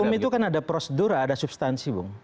hukum itu kan ada prosedura ada substansi